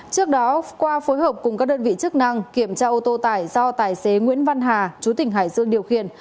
trước đó qua phối hợp cùng các đơn vị chức năng kiểm tra ô tô tải do tài xế nguyễn văn hà chú tỉnh hải dương điều khiển